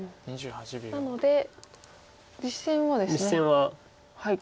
なので実戦はですね